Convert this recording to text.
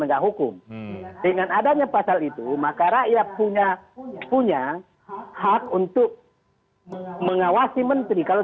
enggak hukum dengan adanya pasal itu maka rakyat punya punya hak untuk mengawasi menteri kalau